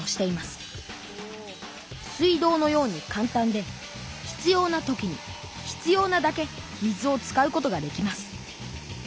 水道のようにかん単で必要な時に必要なだけ水を使うことができます。